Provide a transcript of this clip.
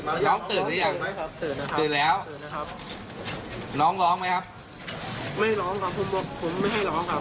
กำลังกำลังดึงลงทะเยอีส